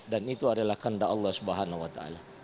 dan itu adalah kandah allah swt